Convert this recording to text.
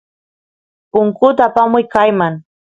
punkut apamuy kayman